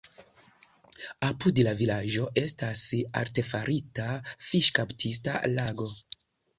Apud la vilaĝo estas artefarita fiŝkaptista lago.